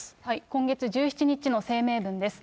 今月１７日の声明文です。